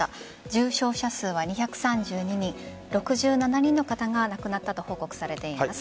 重症者数は２３２人６７人の方が亡くなったと報告されています。